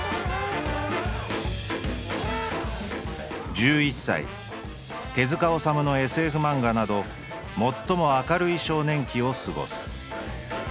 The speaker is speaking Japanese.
「１１歳手治虫のＳＦ漫画など最も明るい少年期をすごす」。